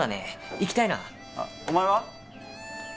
行きたいなお前は？